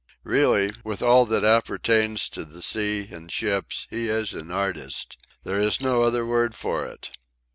Really, with all that appertains to the sea and ships, he is an artist. There is no other word for it."